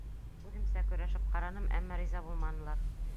— Үҙемсә көрәшеп ҡараным, әммә риза булманылар.